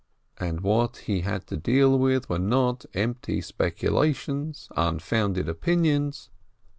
And what he had to deal with were not empty speculations, unfounded opinions.